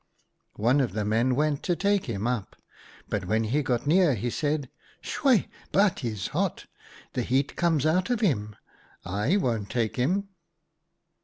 " One of the men went to take him up, but when he got near he said, ' Soe ! but he's hot ; the heat comes out of him. / won't take him.'